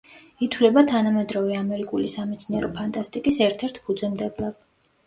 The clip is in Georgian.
ითვლება თანამედროვე ამერიკული სამეცნიერო ფანტასტიკის ერთ-ერთ ფუძემდებლად.